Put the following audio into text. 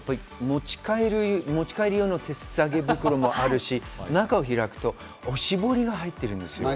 持ち帰るようの手提げ袋もあるし、中を開くとおしぼりが入ってるんです。